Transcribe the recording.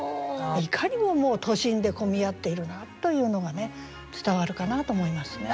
いかにももう都心で混み合っているなというのが伝わるかなと思いますね。